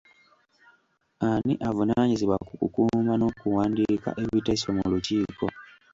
Ani avunaanyizibwa ku kukuuma n'okuwandiika ebiteeso mu lukiiko?